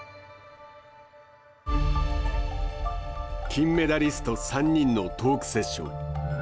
金メダリスト３人のトークセッション。